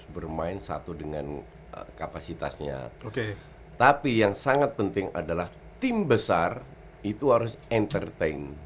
bermain satu dengan kapasitasnya oke tapi yang sangat penting adalah tim besar itu harus entertain